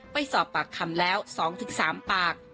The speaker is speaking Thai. ไปสอบปากคำแล้ว๒๓ปาก